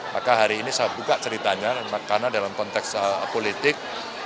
maka hari ini saya buka ceritanya karena dalam konteks politik